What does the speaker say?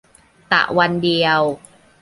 ตะวันเดียว